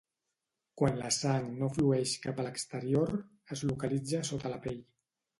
Quan la sang no flueix cap a l'exterior, es localitza sota la pell.